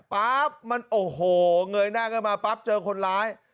ปั๊บมันโอ้โหเงยหน้าขึ้นมาปั๊บเจอคนร้าย